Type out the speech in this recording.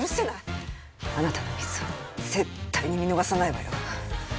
あなたのミスは絶対に見逃さないわよ。